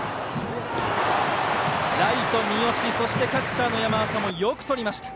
ライトの三好キャッチャーの山浅もよくとりました。